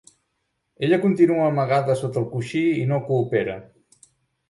Ella continua amagada sota el coixí i no coopera.